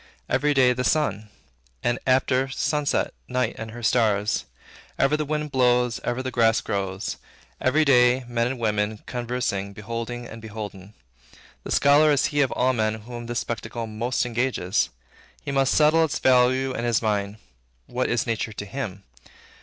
Every day, the sun; and, after sunset, night and her stars. Ever the winds blow; ever the grass grows. Every day, men and women, conversing, beholding and beholden. The scholar is he of all men whom this spectacle most engages. He must settle its value in his mind. What is nature to him?